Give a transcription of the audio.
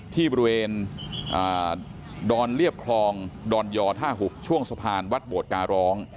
ที่บริเวณดอนเรียบคลองดอนยอท่า๖ช่วงสะพานวัดโบดการร้อง